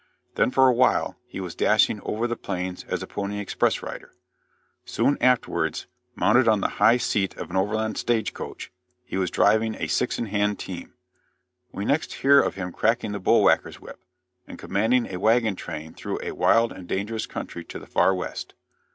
Then, for a while, he was dashing over the plains as a pony express rider. Soon afterwards, mounted on the high seat of an overland stagecoach, he was driving a six in hand team. We next hear of him cracking the bull whacker's whip, and commanding a wagon train through a wild and dangerous country to the far West.